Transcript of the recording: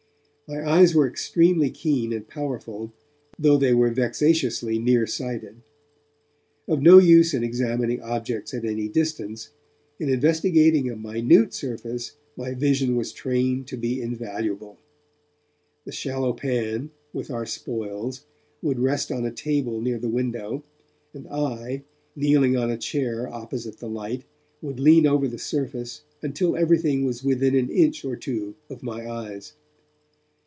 My eyes were extremely keen and powerful, though they were vexatiously near sighted. Of no use in examining objects at any distance, in investigating a minute surface, my vision was trained to be invaluable. The shallow pan, with our spoils, would rest on a table near the window, and I, kneeling on a chair opposite the light, would lean over the surface until everything was within an inch or two of my eyes.